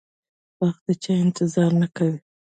وخت د چا انتظار نه کوي.